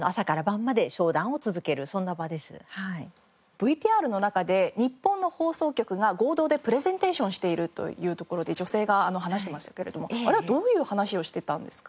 ＶＴＲの中で日本の放送局が合同でプレゼンテーションしているというところで女性が話してましたけれどもあれはどういう話をしてたんですか？